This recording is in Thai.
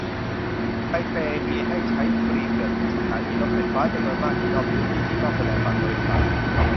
ไทเปมีให้ใช้ฟรีเกือบทุกสถานีรถไฟฟ้า จำนวนมากอยู่นอกพื้นที่ที่ต้องแสดงบัตรโดยสาร